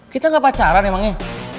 kita ga pacaran emangnya